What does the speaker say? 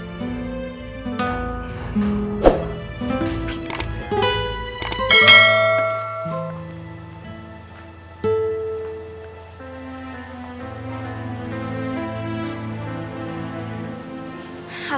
aku juga beneran